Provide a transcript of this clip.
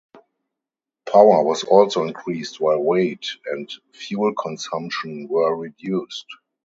Power was also increased while weight and fuel consumption were reduced.